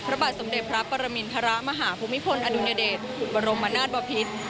พระบาทสมเด็จพระปรมินทรมาหาภูมิพลอดุลยเดชบรมนาศบพิษ